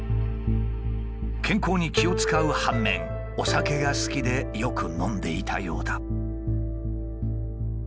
健康に気を遣う反面お酒が好きでよく飲んでいたようだ。